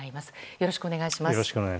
よろしくお願いします。